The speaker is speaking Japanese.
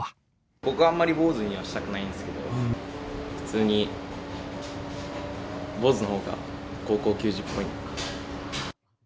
僕はあんまり、坊主にはしたくないんですけど、普通に坊主のほうが高校球児っぽいんで。